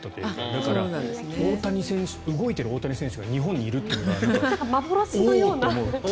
だから、動いている大谷選手が日本にいるというのがおお！と思うって。